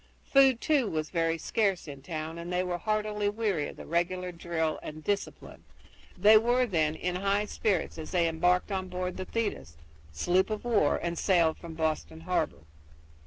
Food, too, was very scarce in town, and they were heartily weary of the regular drill and discipline. They were, then, in high spirits as they embarked on board the Thetis sloop of war and sailed from Boston harbor.